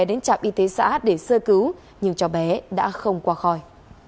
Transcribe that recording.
đến trạm y tế xã để sơ cứu nhưng cháu bé đã không qua khỏi